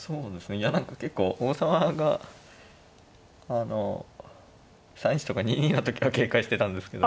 いや何か結構王様があの３一とか２二の時は警戒してたんですけど。